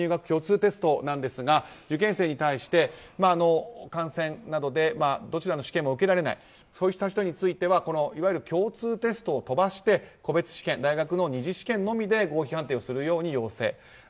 今週末大学入学共通テストですが受験生に対して感染などでどちらの試験も受けられないといった人についていわゆる共通テストを飛ばして個別試験、大学の二次試験のみで合否判定をする要請。